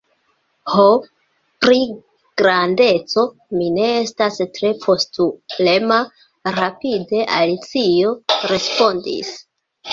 "Ho, pri grandeco, mi ne estas tre postulema," rapide Alicio respondis. "